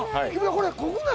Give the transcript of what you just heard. これ国内？